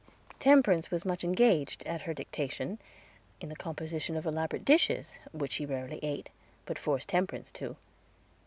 Temperance was much engaged, at her dictation, in the composition of elaborate dishes, which she rarely ate, but forced Temperance to.